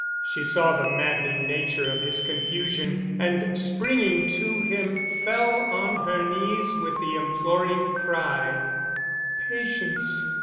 She saw the maddening nature of his confusion and, springing to him, fell on her knees with the imploring cry: "Patience!